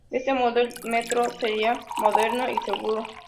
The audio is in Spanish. De este modo, el metro sería moderno y seguro.